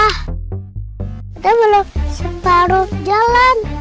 kita belum separuh jalan